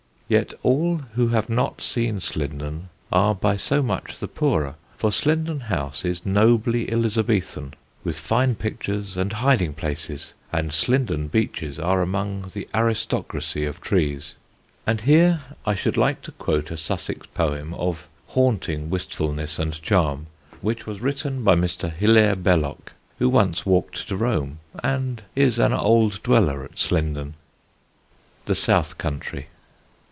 Yet all who have not seen Slindon are by so much the poorer, for Slindon House is nobly Elizabethan, with fine pictures and hiding places, and Slindon beeches are among the aristocracy of trees. And here I should like to quote a Sussex poem of haunting wistfulness and charm, which was written by Mr. Hilaire Belloc, who once walked to Rome and is an old dweller at Slindon: [Sidenote: A SOUTH COUNTRY SONG] THE SOUTH COUNTRY.